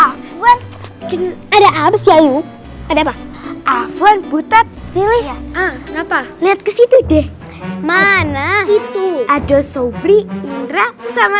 ah one ada abis yuk ada apa apa buta rilis ah kenapa lihat ke situ deh mana ada sobri indra sama